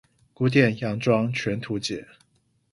古典洋裝全圖解